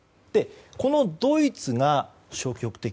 このドイツが消極的。